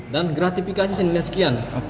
dan gratifikasi senilai sekian